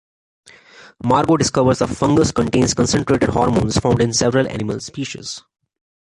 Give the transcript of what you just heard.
Margo discovers the fungus contains concentrated hormones found in several animal species.